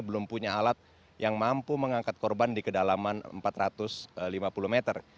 belum punya alat yang mampu mengangkat korban di kedalaman empat ratus lima puluh meter